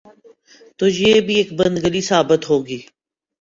تو یہ بھی ایک بند گلی ثابت ہو گی۔